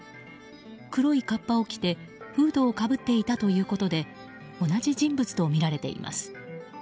黒いかっぱを着て、フードをかぶっていたということで同じ人物とみられています。